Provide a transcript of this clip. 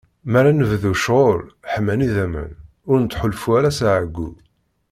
Mi ara nebdu ccɣel, ḥman idammen, ur nettḥulfu ara s ɛeggu.